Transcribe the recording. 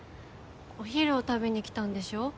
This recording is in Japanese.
お昼を食べに来たんでしょ？